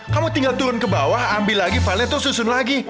kamu tinggal turun ke bawah ambil lagi valet tuh susun lagi